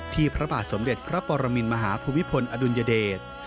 พระบาทสมเด็จพระปรมินมหาภูมิพลอดุลยเดช